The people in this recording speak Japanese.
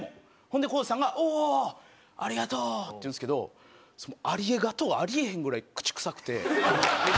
ほんで昴生さんが「おおー！ありがとう！」って言うんですけどその「ありがとう」があり得へんぐらい口臭くて。